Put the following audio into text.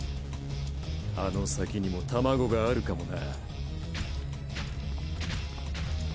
あの先にも卵があるかもな。